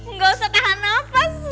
nggak usah tahan nafas